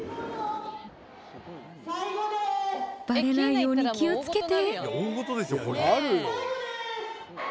バレないように気を付けて。